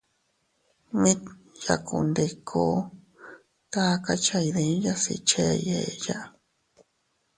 Mit yakundiku, takacha iydiyas ichey eeya.